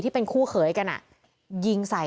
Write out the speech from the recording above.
ที่เป็นคู่เขยกันยิงใส่